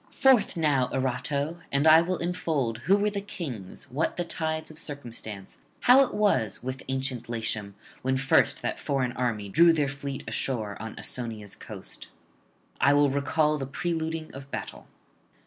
Forth now, Erato! and I will unfold who were the kings, what the tides of circumstance, how it was with ancient Latium when first that foreign army drew their fleet ashore on Ausonia's coast; I will recall the preluding of battle.